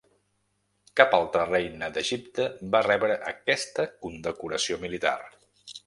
Cap altra reina d'Egipte va rebre aquesta condecoració militar.